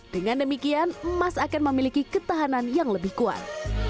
dengan demikian emas akan memiliki ketahanan yang lebih kuat